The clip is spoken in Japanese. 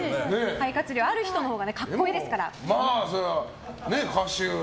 肺活量ある人のほうが格好いいですからね。